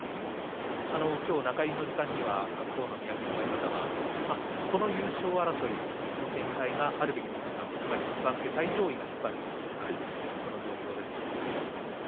今日、中入りの時間には白鵬の宮城野親方はこの優勝争いの展開があるべき姿だつまり番付最上位が引っ張るという状況